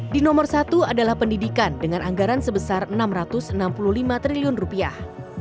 di nomor satu adalah pendidikan dengan anggaran sebesar enam ratus enam puluh lima triliun rupiah